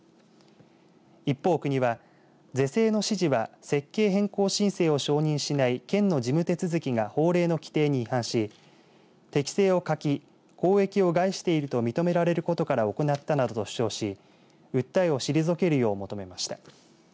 一方、国は、是正の指示は設計変更申請を承認しない県の事務手続きが法令の規定に違反し適正を欠き、公益を害していると認められることから行ったなどと主張し訴えを退けるよう求めました。